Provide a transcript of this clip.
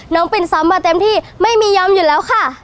ปินซ้ำมาเต็มที่ไม่มียอมอยู่แล้วค่ะ